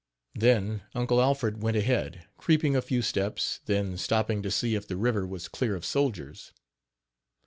Then Uncle Alfred went ahead, creeping a few steps, then stopping to see if the river was clear of soldiers.